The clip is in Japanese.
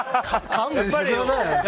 勘弁してください。